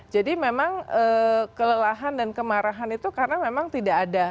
memang kelelahan dan kemarahan itu karena memang tidak ada